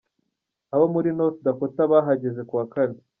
Abo muri North Dakota bahageze kuwa Kane.